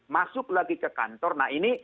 masuk lagi ke kantor nah ini